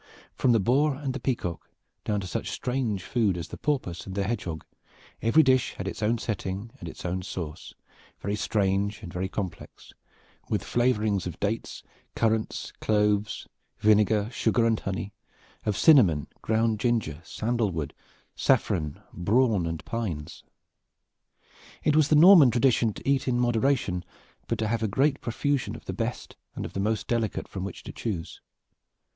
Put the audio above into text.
From the boar and the peacock down to such strange food as the porpoise and the hedgehog, every dish had its own setting and its own sauce, very strange and very complex, with flavorings of dates, currants, cloves, vinegar, sugar and honey, of cinnamon, ground ginger, sandalwood, saffron, brawn and pines. It was the Norman tradition to eat in moderation, but to have a great profusion of the best and of the most delicate from which to choose.